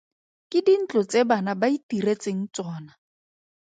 Ke dintlo tse bana ba itiretseng tsona.